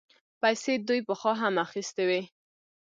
پيسې دوی پخوا هم اخيستې وې.